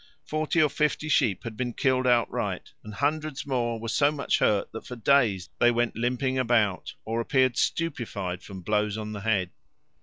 Forty or fifty sheep had been killed outright, and hundreds more were so much hurt that for days they went limping about or appeared stupefied from blows on the head.